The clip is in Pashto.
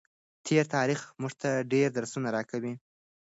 تېر تاریخ موږ ته ډېر درسونه راکوي.